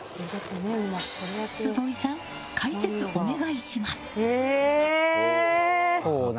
坪井さん、解説お願いします。